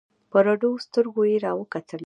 په رډو سترگو يې راوکتل.